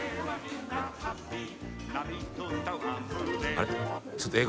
あれ？